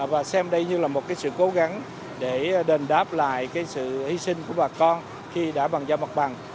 và xem đây như là một sự cố gắng để đền đáp lại sự hy sinh của bà con khi đã bàn giao mặt bằng